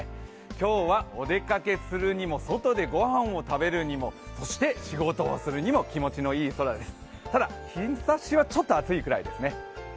今日はお出かけするにも外でご飯を食べるにもそして仕事をするにも気持ちのいい空です。